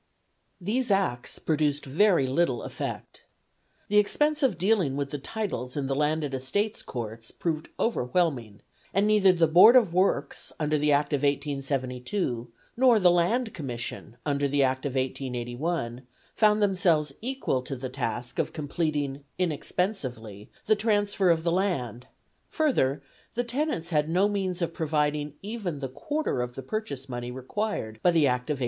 These Acts produced very little effect. The expense of dealing with the titles in the Landed Estates Court proved overwhelming, and neither the Board of Works, under the Act of 1872, nor the Land Commission, under the Act of 1881, found themselves equal to the task of completing inexpensively the transfer of the land; further, the tenants had no means of providing even the quarter of the purchase money required by the Act of 1881.